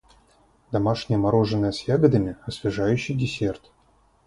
Домашнее мороженое с ягодами - освежающий десерт.